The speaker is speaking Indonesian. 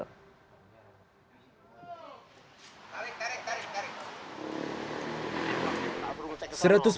tarik tarik tarik